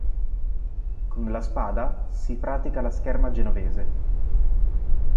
Con la spada si pratica la scherma genovese.